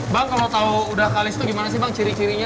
bang kalau tahu udah kalis itu gimana sih bang ciri cirinya